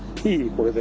これで。